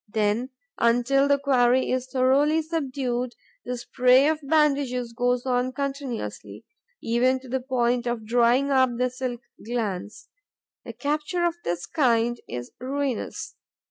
Then, until the quarry is thoroughly subdued, the spray of bandages goes on continuously, even to the point of drying up the silk glands. A capture of this kind is ruinous.